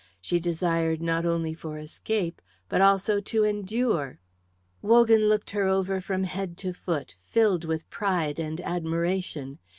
She desired not only for escape, but also to endure. Wogan looked her over from head to foot, filled with pride and admiration.